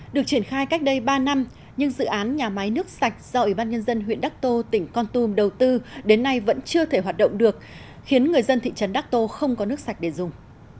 được triển khai cách đây ba năm nhưng dự án nhà máy nước sạch do ủy ban nhân dân huyện đắc tô tỉnh con tum đầu tư đến nay vẫn chưa thể hoạt động được khiến người dân thị trấn đắc tô không có nước sạch để dùng